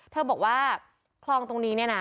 เธอบอกว่าคลองตรงนี้เนี่ยนะ